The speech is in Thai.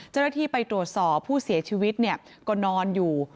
เจ้าหน้าที่ไปตรวจสอบผู้เสียชีวิตก็นอนอยู่